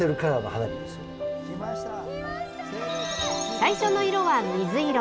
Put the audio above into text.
最初の色は水色。